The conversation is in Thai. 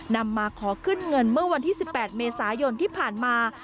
นำมาขอขึ้นเงินเมื่อวันที่๑๘เมษายนที่ผ่านมา